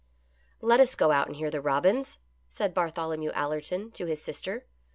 " Let us go out and hear the robins," said Bar tholomew Allerton to his sister.